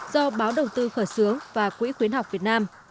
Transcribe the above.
do báo đồng tư khởi sướng và quỹ khuyến học việt nam